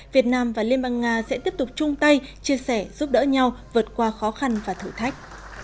việt nam và liên bang nga sẽ tiếp tục chung tay chia sẻ giúp đỡ nhau vượt qua khó khăn và thử thách